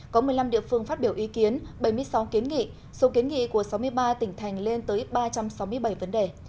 có một mươi năm địa phương phát biểu ý kiến bảy mươi sáu kiến nghị số kiến nghị của sáu mươi ba tỉnh thành lên tới ba trăm sáu mươi bảy vấn đề